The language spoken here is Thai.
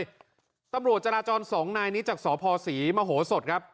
ทั้งหมดเลยตำรวจจราจรสองนายนี้จากสภศรีมโหสดครับ